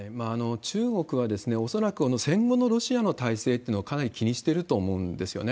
中国は、恐らく戦後のロシアの体制というのをかなり気にしてると思うんですよね。